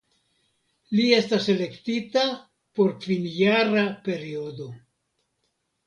Li estas elektita por kvinjara periodo.